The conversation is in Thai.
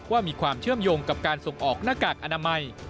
ว่ามีความเชื่อมโยงกับการส่งออกหน้ากากอนามัย